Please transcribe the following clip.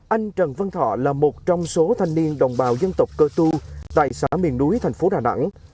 anh trần văn thọ là một trong số thanh niên đồng bào dân tộc cơ tu tại xã miền núi thành phố đà nẵng